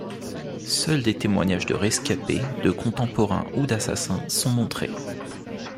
Seuls des témoignages de rescapés, de contemporains ou d'assassins sont montrés.